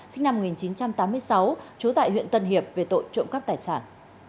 sinh năm một nghìn chín trăm tám mươi sáu trú tại huyện tân hiệp về tội trộm cắp tài sản